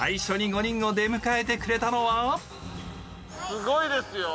すごいですよ。